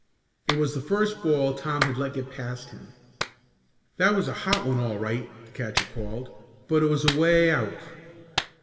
It was the first ball Tom had let get past him. "That was a hot one all right!" the catcher called, "but it was away out."